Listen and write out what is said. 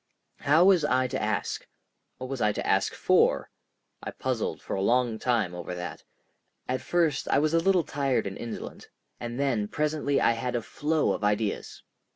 How was I to ask? What was I to ask for? I puzzled for a long time over that—at first I was a little tired and indolent—and then presently I had a flow of ideas.